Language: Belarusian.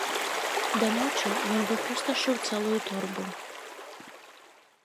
Да ночы, ён выпусташыў цэлую торбу.